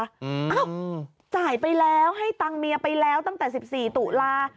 อ้าวจ่ายไปแล้วให้ตังค์เมียไปแล้วตั้งแต่๑๔ตุลา